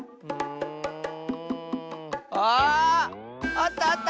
あったあった！